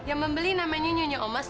yang membeli namanya nyonya omas